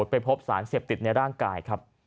ไปพบสารเสพติดในร่างกายครับ